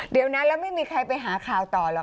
เดี๋ยวนั้นแล้วไม่มีใครไปหาข่าวต่อหรอก